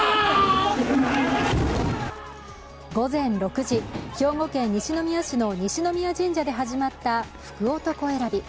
午前６時、兵庫県西宮市の西宮神社で始まった福男選び。